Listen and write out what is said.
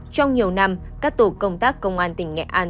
trong nhiều năm các tổ công tác công an